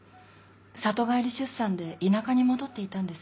里帰り出産で田舎に戻っていたんです。